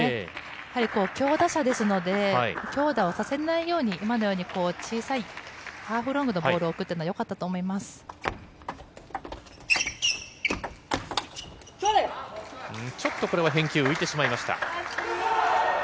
やはり強打者ですので、強打をさせないように、今のように小さいハーフロングのボールを置くというのは、よかっちょっとこれは返球、浮いてしまいました。